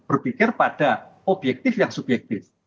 berpikir pada objektif yang subjektif